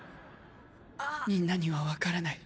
みんなにはわからない。